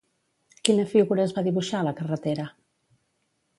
Quina figura es va dibuixar a la carretera?